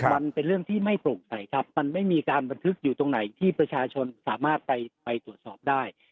มันเป็นเรื่องที่ไม่โปร่งใสครับมันไม่มีการบันทึกอยู่ตรงไหนที่ประชาชนสามารถไปตรวจสอบได้